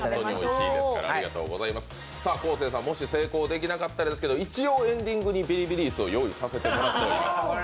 昴生さん、もし成功できなかったらですけど、エンディングにビリビリ椅子を用意させていただいております。